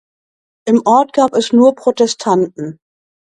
Im Ort gab es nur Protestanten.